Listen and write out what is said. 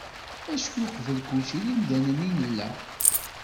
Acku uqbel kulci d imdanen i nella.